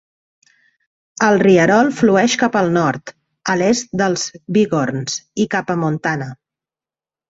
El rierol flueix cap al nord, a l'est dels Bighorns, i cap a Montana.